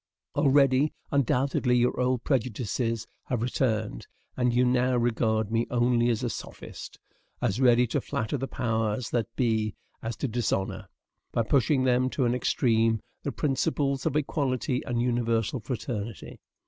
Already, undoubtedly, your old prejudices have returned, and you now regard me only as a sophist, as ready to flatter the powers that be as to dishonor, by pushing them to an extreme, the principles of equality and universal fraternity.